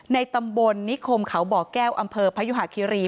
ในตำบลนิคมเขาบ่อแก้วอำเภอพยุหาคิรี